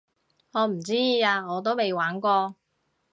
我唔知啊我都未玩過